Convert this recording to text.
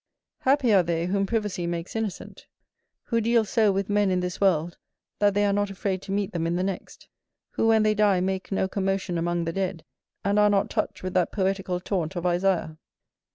Happy are they whom privacy makes innocent, who deal so with men in this world, that they are not afraid to meet them in the next; who, when they die, make no commotion among the dead, and are not touched with that poetical taunt of Isaiah.